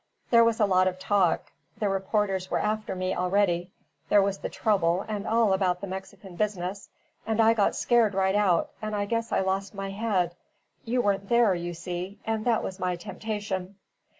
"There was a lot of talk; the reporters were after me already; there was the trouble and all about the Mexican business; and I got scared right out, and I guess I lost my head. You weren't there, you see, and that was my temptation."